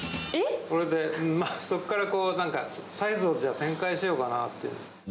それでまあ、そっからなんか、サイズを展開しようかなっていう。